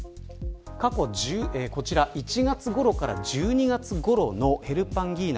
１月ごろから１２月ごろのヘルパンギーナ